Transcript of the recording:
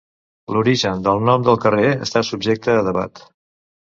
L'origen del nom del carrer està subjecte a debat.